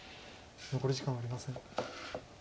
残り時間はありません。